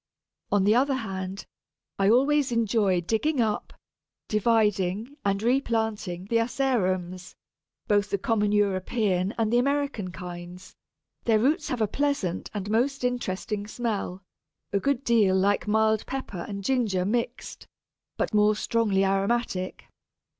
On the other hand, I always enjoy digging up, dividing, and replanting the Asarums, both the common European and the American kinds; their roots have a pleasant and most interesting smell, a good deal like mild pepper and ginger mixed, but more strongly aromatic.